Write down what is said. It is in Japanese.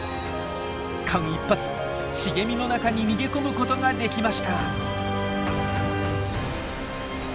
間一髪茂みの中に逃げ込むことができました。